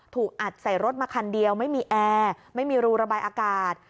ถูกอัดใส่รถมาคันเดียวไม่มีแอร์ไม่มีรูระบายอากาศ